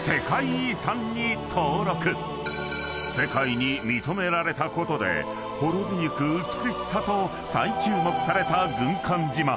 ［世界に認められたことで滅びゆく美しさと再注目された軍艦島］